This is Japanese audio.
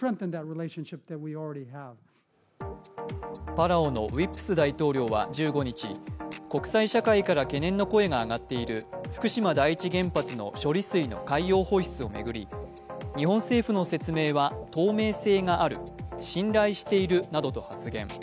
パラオのウィップス大統領は１５日、国際社会から懸念の声が上がってる福島第一原発の処理水の海洋放出を巡り日本政府の説明は、透明性がある、信頼しているなどと発言。